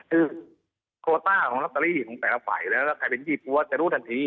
คือโคต้าของลอตเตอรี่ของแต่ละฝ่ายแล้วแล้วใครเป็นยี่ปั๊วจะรู้ทันที